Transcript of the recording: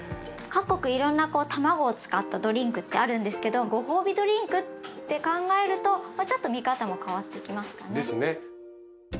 各国いろんなこうたまごを使ったドリンクってあるんですけどご褒美ドリンクって考えるとまあちょっと見方も変わってきますかね。ですね。